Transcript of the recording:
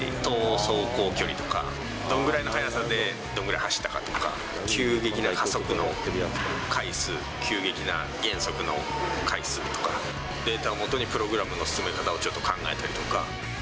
総走行距離とか、どのぐらいの速さで、どんぐらい走ったかとか、急激な加速の回数、急激な減速の回数とか、データを基にプログラムの進め方をちょっと考えたりとか。